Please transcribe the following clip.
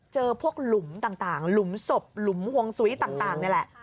เจอพวกหลุมต่างหลุมศพหลุมห่วงซุ้ยต่างนี่แหละ